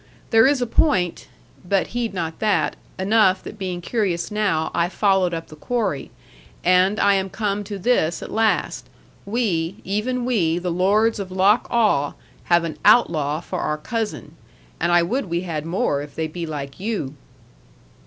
There is a point but heed not that; enough that being curious now, I followed up the quarry, and I am come to this at last we, even we, the lords of Loch Awe, have an outlaw for our cousin, and I would we had more, if they be like you."